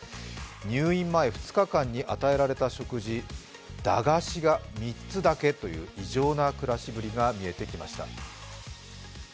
入院前、２日間に与えられた食事、駄菓子が３つだけという異常な暮らしぶりが見えてきました。